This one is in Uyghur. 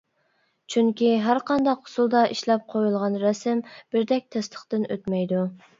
چۈنكى ھەرقانداق ئۇسۇلدا ئىشلەپ قويۇلغان رەسىم بىردەك تەستىقتىن ئۆتمەيدۇ.